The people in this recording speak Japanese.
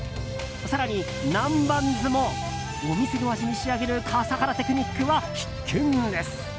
更に、南蛮酢もお店の味に仕上げる笠原テクニックは必見です。